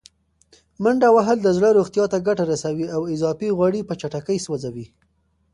منډه وهل د زړه روغتیا ته ګټه رسوي او اضافي غوړي په چټکۍ سوځوي.